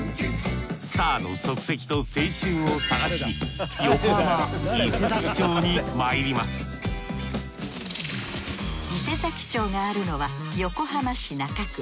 スターの足跡と青春を探しに横浜伊勢佐木町にまいります伊勢佐木町があるのは横浜市中区。